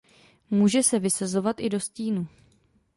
Může se vysazovat i do stínu.